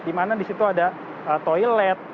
di mana di situ ada toilet